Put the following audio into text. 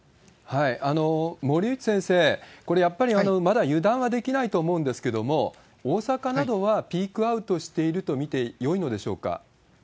森内先生、これ、やっぱりまだ油断はできないと思うんですけれども、大阪などはピークアウトしていると見てよいのでしょうか？